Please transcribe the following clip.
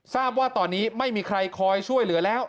ทราบว่าตอนนี้ไม่มีใครคอยช่วยเหลือแล้ว